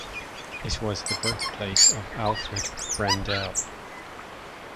It was the birthplace of Alfred Brendel.